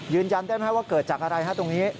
ยืนยันได้ไหมว่าเกิดจากอะไรฮะตรงนี้